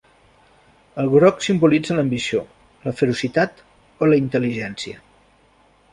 El groc simbolitza l"ambició, la ferocitat o la intel·ligència.